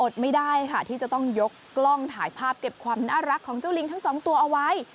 ไม่ได้ค่ะที่จะต้องยกกล้องถ่ายภาพเก็บความน่ารักของเจ้าลิงทั้งสองตัวเอาไว้